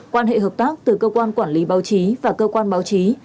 quan hệ hợp tác từ cơ quan quản lý báo chí và cơ quan báo chí